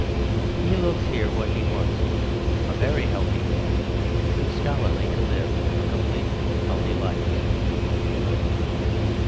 He looks here what he was a very healthy man, too scholarly to live a completely healthy life.